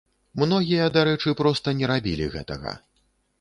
Многія, дарэчы, проста не рабілі гэтага.